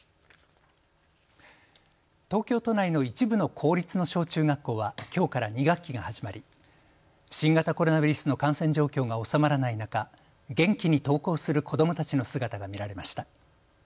東京都内の一部の公立の小中学校はきょうから２学期が始まり新型コロナウイルスの感染状況が収まらない中元気に登校する子どもたちの姿が見られました。